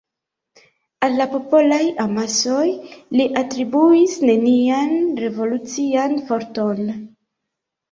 Al la popolaj amasoj li atribuis nenian revolucian forton.